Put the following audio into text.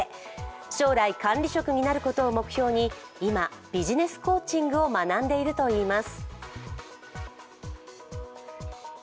将来、管理職になることを目標に今、ビジネスコーチングを学んでいるといいます。